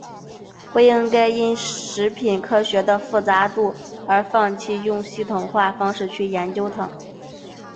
不应该因为食品科学的复杂度而放弃用系统化方式去研究它。